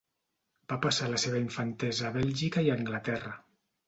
Va passar la seva infantesa a Bèlgica i a Anglaterra.